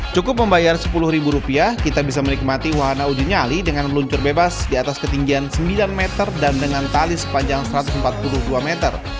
cukup membayar sepuluh ribu rupiah kita bisa menikmati wahana uji nyali dengan meluncur bebas di atas ketinggian sembilan meter dan dengan tali sepanjang satu ratus empat puluh dua meter